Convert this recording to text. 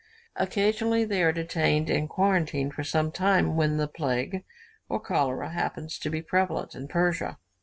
Occasionally they are detained in quarantine for some time, when the plague or cholera happens to be prevalent in Persia.